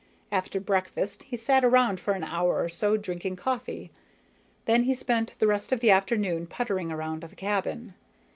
After breakfast, he sat around for an hour or so drinking coffee. Then he spent the rest of the afternoon puttering around the cabin.